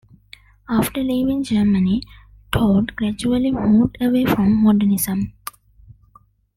After leaving Germany, Taut gradually moved away from modernism.